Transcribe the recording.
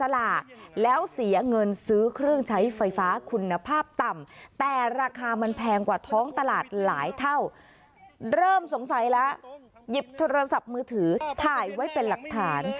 เริ่มสงสัยแล้วหยิบโทรศัพท์มือถือถ่ายไว้เป็นหลักฐาน